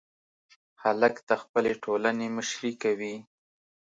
هلک د خپلې ټولنې مشري کوي.